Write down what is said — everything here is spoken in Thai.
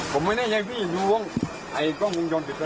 ผมไม่ได้ยังพิสิทธิ์รู้ว่าไอ้กล้องกรุงจนติดเติม